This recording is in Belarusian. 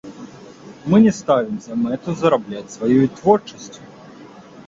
Мы не ставім за мэту зарабляць сваёй творчасцю.